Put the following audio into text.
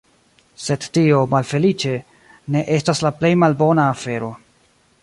Sed tio, malfeliĉe, ne estas la plej malbona afero.